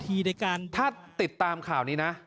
ถ้าติดตามข่าวนี้นะ